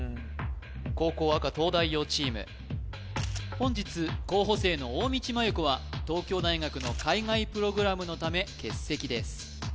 後攻赤東大王チーム本日候補生の大道麻優子は東京大学の海外プログラムのため欠席です